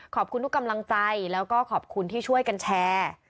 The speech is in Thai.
ขอบคุณทุกกำลังใจแล้วก็ขอบคุณที่ช่วยกันแชร์